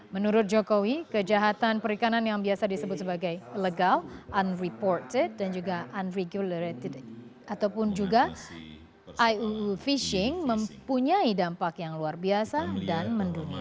menurut jokowi kejahatan perikanan yang biasa disebut sebagai legal unreported dan juga unregulated ataupun juga iuu fishing mempunyai dampak yang luar biasa dan mendunia